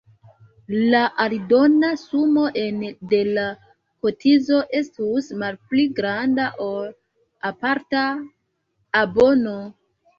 La aldona sumo ene de la kotizo estus malpli granda ol aparta abono.